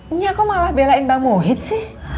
ini aku malah belain bang muhid sih